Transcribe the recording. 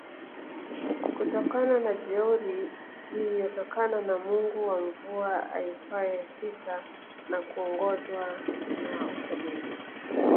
kutokana na jeuri iliyotokana na Mungu wa mvua aitwaye Tita na kuongozwa na utabiri